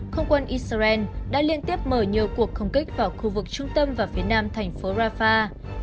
không quân israel đã liên tiếp mở nhiều cuộc không kích vào khu vực trung tâm và phía nam thành phố rafah